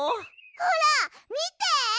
ほらみて！